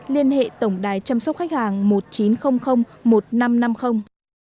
liên hệ tổng đài chăm sóc khách hàng một nghìn chín trăm linh một nghìn năm trăm năm mươi